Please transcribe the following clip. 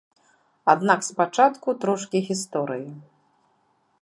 Аднак спачатку трошкі гісторыі.